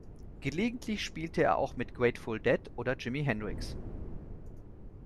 Gelegentlich spielte er auch mit Grateful Dead oder Jimi Hendrix.